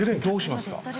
どうしますか？